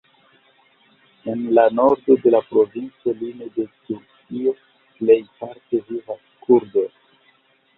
En la nordo de la provinco lime de Turkio plejparte vivas kurdoj.